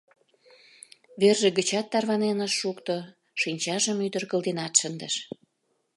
Верже гычат тарванен ыш шукто, шинчажым ӱдыр кылденат шындыш.